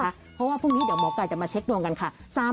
เพราะว่าพรุ่งนี้เดี๋ยวหมอไก่จะมาเช็คดวงกันค่ะ